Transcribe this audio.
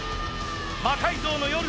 「魔改造の夜」